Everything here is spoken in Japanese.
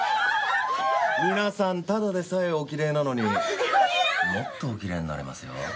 皆さんただでさえおきれいなのにもっとおきれいになれますよ。